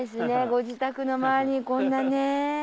ご自宅の周りにこんなねぇ。